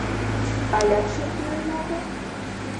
— Алят шӱр кӱын огыл?